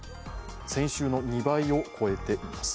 先週の２倍を超えています。